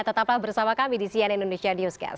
tetaplah bersama kami di cnn indonesia newscast